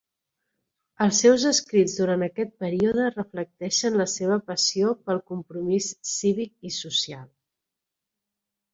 Els seus escrits durant aquest període reflecteixen la seva passió pel compromís cívic i social.